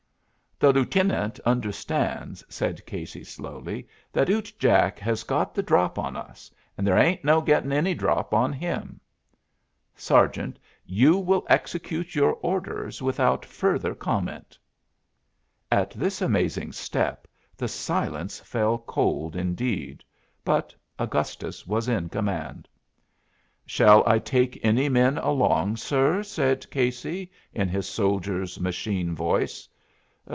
"The Lootenant understands," said Casey, slowly, "that Ute Jack has got the drop on us, and there ain't no getting any drop on him." "Sergeant, you will execute your orders without further comment." At this amazing step the silence fell cold indeed; but Augustus was in command. "Shall I take any men along, sir?" said Casey in his soldier's machine voice.